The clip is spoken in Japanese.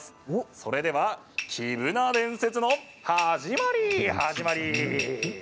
それでは、黄ぶな伝説の始まり始まり。